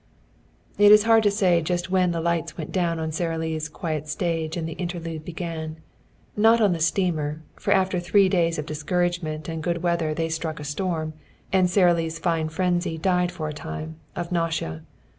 It is hard to say just when the lights went down on Sara Lee's quiet stage and the interlude began. Not on the steamer, for after three days of discouragement and good weather they struck a storm; and Sara Lee's fine frenzy died for a time, of nausea.